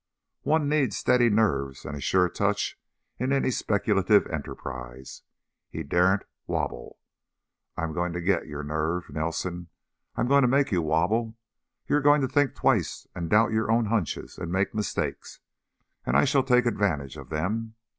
One needs steady nerves and a sure touch in any speculative enterprise; he daren't wabble. I'm going to get your nerve, Nelson. I'm going to make you wabble. You're going to think twice and doubt your own hunches, and make mistakes, and I I shall take advantage of them.